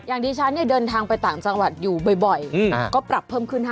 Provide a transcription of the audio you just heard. อย่างที่ฉันเดินทางไปต่างจังหวัดอยู่บ่อยก็ปรับเพิ่มขึ้น๕